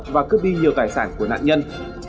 và cướp đi nhiều tài sản của nạn nhân